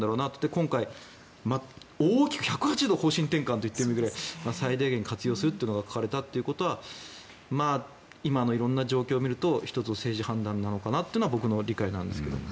今回、大きく１８０度方針転換といってもいいくらい最大限活用するというのが書かれたということは今の色んな状況を見ると１つの政治判断なのかなというのが僕の理解なんですけど。